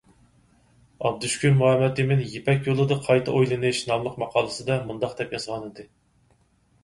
ئابدۇشۈكۈر مۇھەممەتئىمىن «يىپەك يولىدا قايتا ئويلىنىش» ناملىق ماقالىسىدە مۇنداق دەپ يازغانىدى.